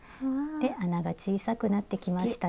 穴が小さくなってきましたね。